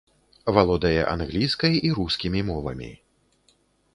Валодае англійскай і рускімі мовамі.